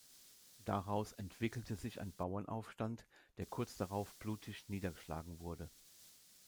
Daraus entwickelte sich ein Bauernaufstand, der kurz darauf blutig niedergeschlagen wurde.